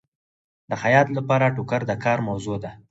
د خیاط لپاره ټوکر د کار موضوع ده.